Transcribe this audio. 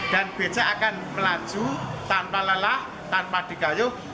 dan becak akan melaju tanpa lelah tanpa dikayuh